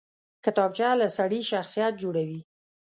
کتابچه له سړي شخصیت جوړوي